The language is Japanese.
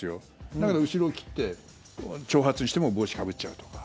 だから後ろを切って長髪にしても帽子かぶっちゃうとか。